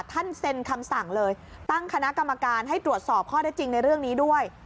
ท่านเซ็นคำสั่งเลยตั้งคณะกรรมการให้ตรวจสอบข้อได้จริงในเรื่องนี้ด้วย